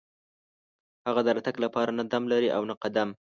هغه د راتګ لپاره نه دم لري او نه قدم.